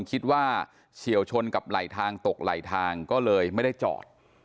เฉียวชนกับไหลทางตกไหลทางก็เลยไม่ได้จอด